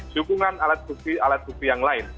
dukungan alat bukti alat bukti yang lain